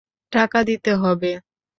টাকা দিতে হবে।